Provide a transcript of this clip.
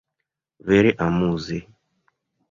Vere amuze!